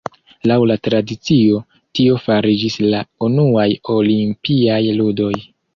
Laŭ la tradicio, tio fariĝis la unuaj olimpiaj ludoj.